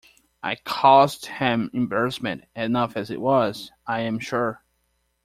I caused him embarrassment enough as it was, I am sure.